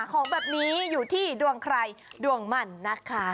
ของแบบนี้อยู่ที่ดวงใครดวงมันนะคะ